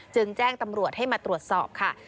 จึงแจ้งตำรวจให้มาตรวจสอบค่ะ